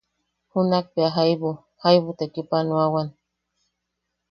Junak bea jaibu jaibu tekipanoawan.